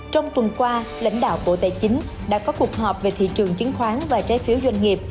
trong tuần qua lãnh đạo bộ tài chính đã có cuộc họp về thị trường chứng khoán và trái phiếu doanh nghiệp